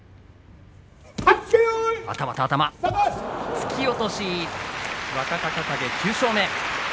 突き落とし若隆景、９勝目。